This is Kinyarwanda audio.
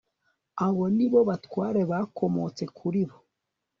abo ni bo batware bakomotse kuri bo